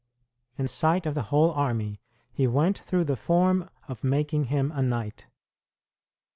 In sight of the whole army, he went through the form of making him a knight.